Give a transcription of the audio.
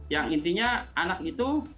yang intinya anak itu